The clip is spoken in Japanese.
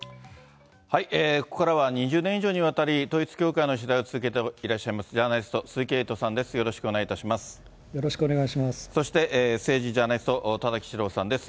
ここからは、２０年以上にわたり統一教会の取材を続けていらっしゃいます、ジャーナリスト、鈴木エイトさんです。